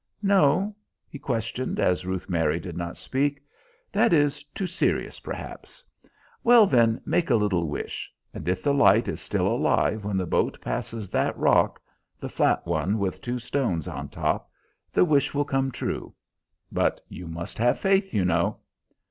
"No?" he questioned, as Ruth Mary did not speak; "that is too serious, perhaps. Well, then, make a little wish, and if the light is still alive when the boat passes that rock the flat one with two stones on top the wish will come true. But you must have faith, you know."